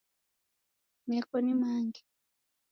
Neko nimange